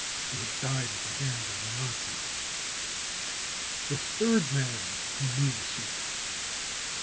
He had died at the hands of the Nazis. The Third Man who Knew the Secret.